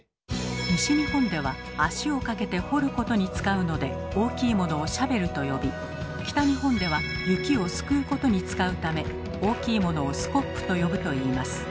西日本では足をかけて「掘る」ことに使うので大きいものをシャベルと呼び北日本では雪を「すくう」ことに使うため大きいものをスコップと呼ぶといいます。